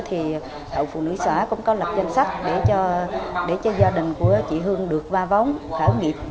thì hội phụ nữ xã cũng có lập danh sách để cho gia đình của chị hương được va vốn khởi nghiệp